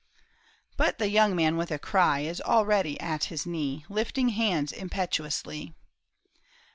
But the young man with a cry Is already at his knee Lifting hands impetuously.